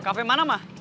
kafe mana mah